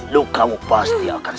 lukamu pasti akan selamat